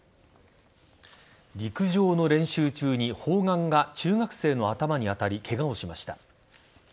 陸上の練習中に砲丸が中学生の頭に当たりケガをしました。